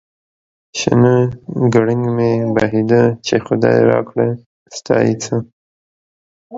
شنه گړنگ مې بهيده ، چې خداى راکړه ستا يې څه ؟